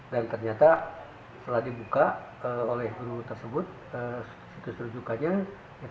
dan ternyata setelah dibuka oleh guru tersebut situs rujukannya ditemukan